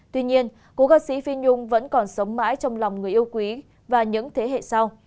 tuy nhiên cú ca sĩ phi nhung vẫn còn sống mãi trong lòng người yêu quý và những thế hệ sau